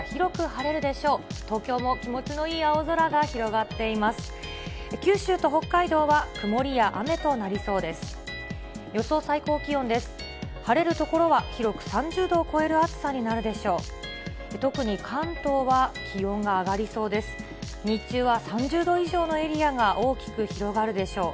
晴れる所は広く３０度を超える暑さになるでしょう。